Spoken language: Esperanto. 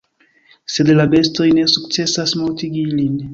Sed la bestoj ne sukcesas mortigi ilin.